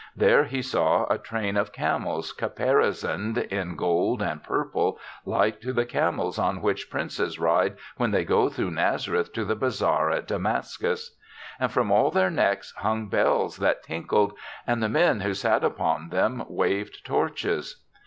There he saw a train of camels, caparisoned in gold and purple, like to the camels on which princes ride when they go through Nazareth to the bazaar at Damascus. And from all their necks hung bells that tinkled, and the men who sat upon them waved torches.